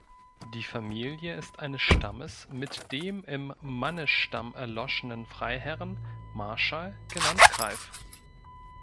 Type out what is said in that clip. Die Familie ist eines Stammes mit den im Mannesstamm erloschenen Freiherren Marschall genannt Greiff.